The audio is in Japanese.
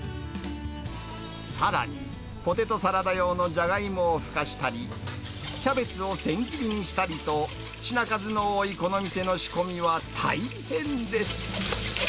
さらに、ポテトサラダ用のじゃがいもをふかしたり、キャベツを千切りにしたりと、品数の多いこの店の仕込みは大変です。